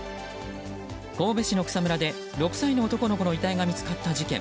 神戸市の草むらで６歳の男の子の遺体が見つかった事件。